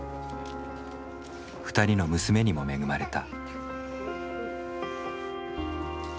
２人の娘にも恵まれた。